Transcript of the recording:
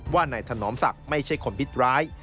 ว่าในถนอมศักรณ์ไม่ใช่คนมิดร้าย